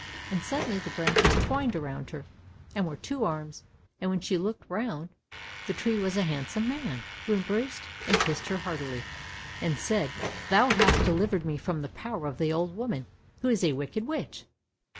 And suddenly the branches twined around her, and were two arms, and when she looked round, the tree was a handsome man, who embraced and kissed her heartily, and said, "Thou hast delivered me from the power of the old woman, who is a wicked witch.